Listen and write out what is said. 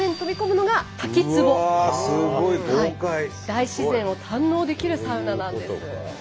大自然を堪能できるサウナなんです。